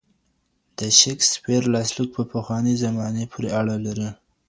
د شیکسپیر لاسلیک په پخواني زمانه پورې اړه لري.